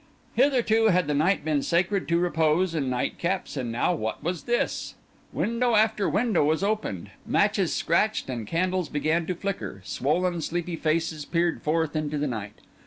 Hitherto had the night been sacred to repose and nightcaps; and now what was this? Window after window was opened; matches scratched, and candles began to flicker; swollen sleepy faces peered forth into the starlight.